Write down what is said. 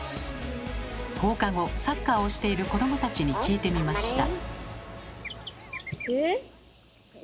放課後サッカーをしている子どもたちに聞いてみました。